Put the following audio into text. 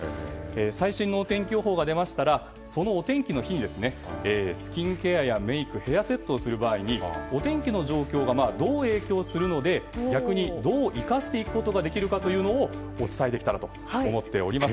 最新の天気予報が出ましたらそのお天気の日にスキンケアやメイクヘアセットをする場合にお天気の状況がどう影響するので逆にどう生かしていくことができるかというのをお伝えできたらと思っています。